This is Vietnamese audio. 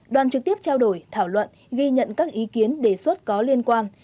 đoàn trực tiếp trao đổi thảo luận ghi nhận các ý kiến đề xuất có liên quan